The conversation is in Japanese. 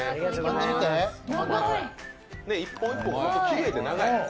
１本１本がきれいで長い。